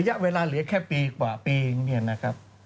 ระยะเวลาเหลือแค่ปีกว่าปีเนี่ยนะครับ